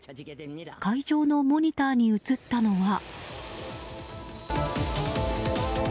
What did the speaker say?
会場のモニターに映ったのは。